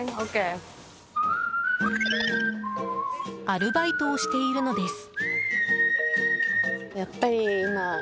アルバイトをしているのです。